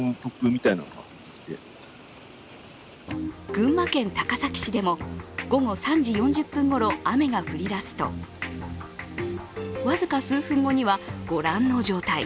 群馬県高崎市でも午後３時４０分ごろ、雨が降りだすと僅か数分後にはご覧の状態。